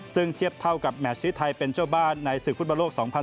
ซึ่งเทียบเท่ากับแมชที่ไทยเป็นเจ้าบ้านในศึกฟุตบอลโลก๒๐๑๖